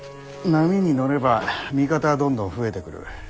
波に乗れば味方はどんどん増えてくる。